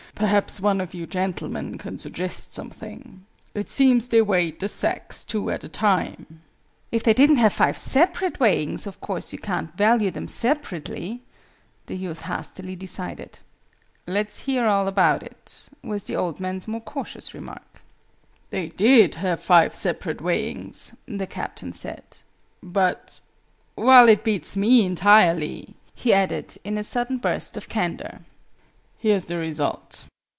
"Perhaps one of you gentlemen can suggest something. It seems they weighed the sacks two at a time!" "If they didn't have five separate weighings, of course you can't value them separately," the youth hastily decided. "Let's hear all about it," was the old man's more cautious remark. "They did have five separate weighings," the Captain said, "but Well, it beats me entirely!" he added, in a sudden burst of candour. "Here's the result.